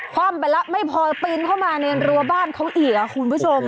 ความไปแล้วไม่พอปีนเข้ามาในรั้วบ้านเขาอีกคุณผู้ชม